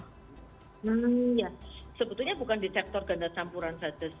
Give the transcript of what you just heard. ya sebetulnya bukan di sektor ganda campuran saja